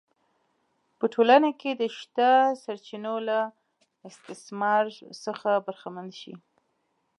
په ټولنه کې د شته سرچینو له استثمار څخه برخمن شي